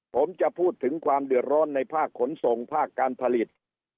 ผมจะพูดถึงความเดือดร้อนในภาคขนส่งภาคการผลิต